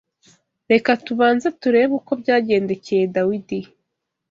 reka tubanze turebe uko byagendekeye Dawidi